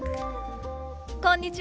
こんにちは。